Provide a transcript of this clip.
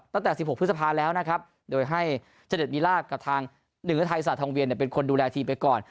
ตั้งแต่๑๖พฤษภาแล้วนะครับโดยให้เจเด็ดมีลาบกับทางเหนือไทยศาสตองเวียนเป็นคนดูแลทีมไปก่อน